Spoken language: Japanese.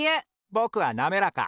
ぼくはなめらか！